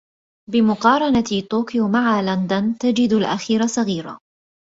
بمقارنة طوكيو مع لندن تجد الاخيرة صغيرة